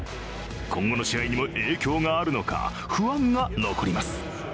今後の試合にも影響があるのか、不安が残ります。